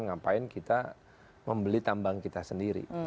ngapain kita membeli tambang kita sendiri